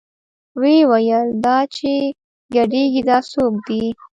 ويې ويل دا چې ګډېګي دا سوک دې.